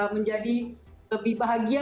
menjadi lebih bahagia